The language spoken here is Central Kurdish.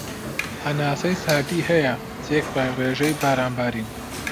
هەناسەی ساردی هەیە تێکرای رێژەی باران بارین